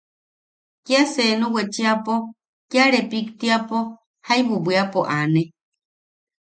Kia senu wechiapo, kia repiktiapo, jaibu bwiapo aane.